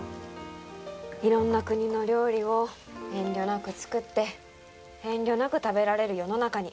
「いろんな国の料理を遠慮なく作って遠慮なく食べられる世の中に」